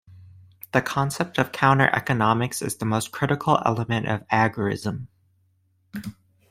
The concept of counter-economics is the most critical element of agorism.